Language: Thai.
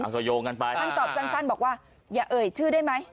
ก็โยงกันไปท่านตอบสั้นบอกว่าอย่าเอ่ยชื่อได้ไหม